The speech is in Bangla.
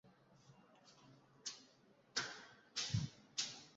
প্রয়োজনে আপনার শিশুর আচরণ পরিবর্তনের জন্য তাদের কাছে ইতিবাচক সাহায্য চান।